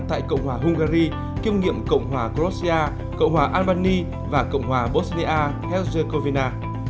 tại cộng hòa hungary kiếm nghiệm cộng hòa croatia cộng hòa albania và cộng hòa bosnia herzegovina